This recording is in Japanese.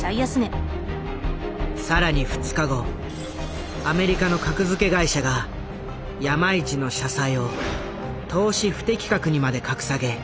更に２日後アメリカの格付け会社が山一の社債を「投資不適格」にまで格下げショックが走った。